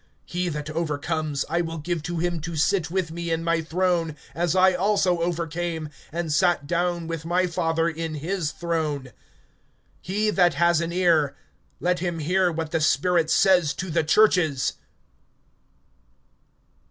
(21)He that overcomes, I will give to him to sit with me in my throne, as I also overcame, and sat down with my Father in his throne. (22)He that has an ear, let him hear what the Spirit says to the churches.